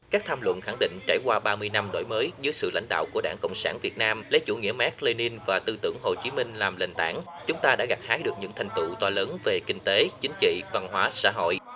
các tham luận khẳng định trải qua ba mươi năm đổi mới dưới sự lãnh đạo của đảng cộng sản việt nam lấy chủ nghĩa mark lenin và tư tưởng hồ chí minh làm nền tảng chúng ta đã gạt hái được những thành tựu to lớn về kinh tế chính trị văn hóa xã hội